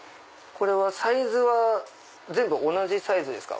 これはサイズは全部同じサイズですか？